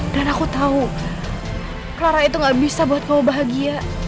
dan aku tahu clara itu gak bisa buat kamu bahagia